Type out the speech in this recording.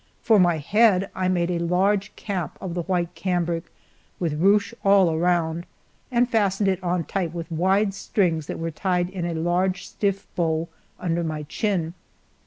For my head I made a large cap of the white cambric with ruche all around, and fastened it on tight with wide strings that were tied in a large stiff bow under the chin.